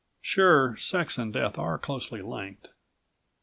Sure, sex and death are closely linked.